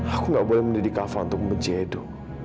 aku gak boleh mendidik kava untuk membenci edo